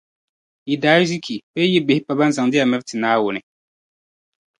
Yi daarzichi bee yi bihi pa ban zaŋdi ya miriti Naawuni.